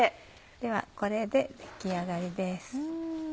ではこれで出来上がりです。